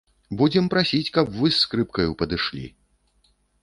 Будзем прасіць, каб вы з скрыпкаю падышлі.